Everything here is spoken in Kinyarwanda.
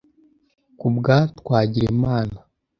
Kubwa Twagirimana